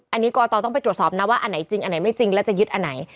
อันนี้กรตต้องไปตรวจสอบนะว่าอันไหนจริงอันไหนไม่จริงแล้วจะยึดอันไหน